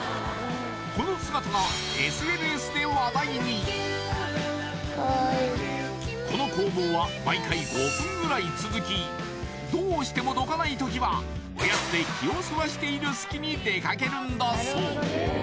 この姿がこの攻防は毎回５分ぐらい続きどうしてもどかない時はおやつで気をそらしているすきに出かけるんだそう